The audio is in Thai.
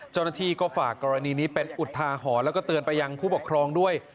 เจ้าหน้าที่ก็ฝากกรณีนี้เป็นอุทาหรณ์แล้วก็เตือนไปยังผู้ปกครองด้วย